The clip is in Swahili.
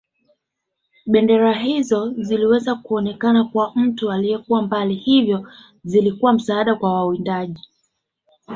Bendera hizo ziliweza kuonekana kwa mtu aliyekuwa mbali hivyo zilikuwa msaada kwa wawindaji